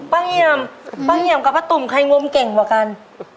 ป้างเงียมกับป้าตุ๋มใครงมเก่งเหรอกัน